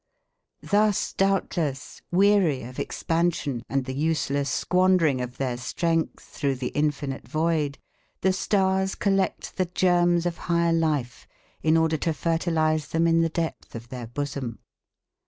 Thus, doubtless, weary of expansion and the useless squandering of their strength through the infinite void, the stars collect the germs of higher life in order to fertilize them in the depth of their bosom.